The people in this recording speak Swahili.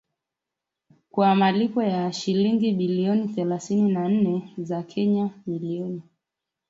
kwa malipo ya shilingi bilioni thelathini na nne za Kenya milioni